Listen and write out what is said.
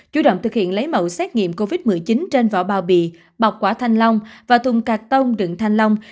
chủ động thực hiện lấy mẫu xét nghiệm covid một mươi chín trên vỏ bao bị bọc quả thanh long và thùng cà tông đường thanh long